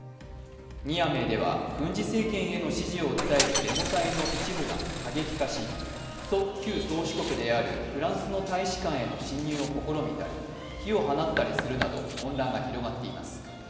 ニアメーでは軍事政権への支持を訴えるデモ隊の一部が過激化し旧宗主国であるフランスの大使館への侵入を試みたり、火を放ったりするなど混乱が広がっています。